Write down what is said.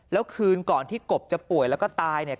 แล้วคืนก่อนที่กบจะป่วยแล้วก็ตายเนี่ย